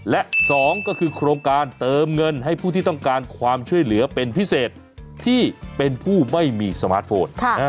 และ๒ก็คือโครงการเติมเงินให้ผู้ที่ต้องการความช่วยเหลือเป็นพิเศษที่เป็นผู้ไม่มีสมาร์ทโฟน